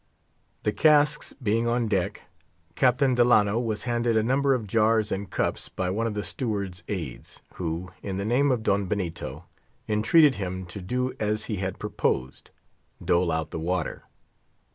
The casks being on deck, Captain Delano was handed a number of jars and cups by one of the steward's aids, who, in the name of his captain, entreated him to do as he had proposed—dole out the water.